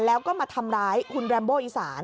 แล้วก็มาทำร้ายคุณแรมโบอีสาน